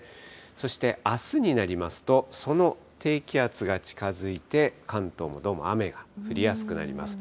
そしてあすになりますと、その低気圧が近づいて、関東もどうも雨が降りやすくなります。